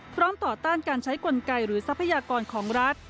ต่อต้านการใช้กลไกหรือทรัพยากรของรัฐ